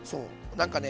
なんかね